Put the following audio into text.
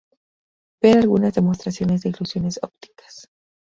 Ver algunas demostraciones de ilusiones ópticas.